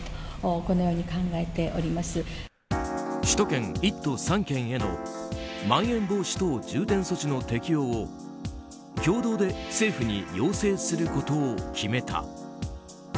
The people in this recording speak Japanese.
首都圏１都３県へのまん延防止等重点措置の適用を共同で政府に要請することを決めた。